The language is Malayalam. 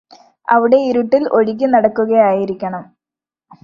അവിടെ ഇരുട്ടില് ഒഴുകിനടക്കുകയായിരിക്കണം